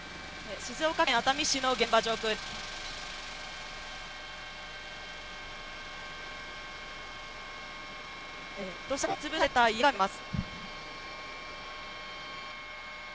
静岡県熱海市の現場上空です。